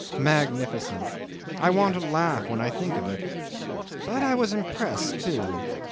magnificent! I want to laugh when I think of it. But I was impressed, too.